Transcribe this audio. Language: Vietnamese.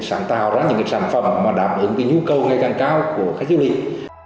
chúng tôi tạo ra những sản phẩm mà đảm ứng với nhu cầu ngay càng cao của khách du lịch